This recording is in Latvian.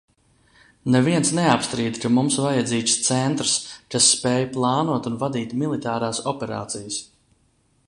Neviens neapstrīd, ka mums vajadzīgs centrs, kas spēj plānot un vadīt militārās operācijas.